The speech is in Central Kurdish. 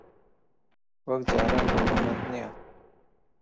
وەک جاران دەوڵەمەند نییە.